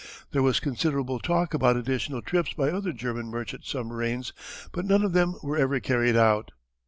There was considerable talk about additional trips by other German merchant submarines, but none of them were ever carried out.